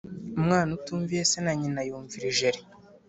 Umwana utumviye se na Nyina yumvira ijeri.